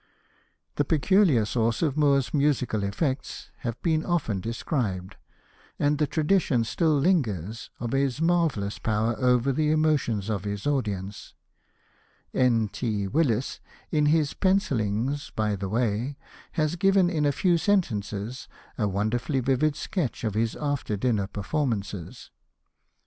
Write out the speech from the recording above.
The peculiar source of Moore's musical effects have been often described, and the tradition still lingers of his marvellous power over the emotions of his audience. N. T. Willis, in his Pe7icilli?igs by the Way, has given in a few sentences a wonderfully Hosted by Google INTRODUCTION xm vivid sketch of his after dinner performances.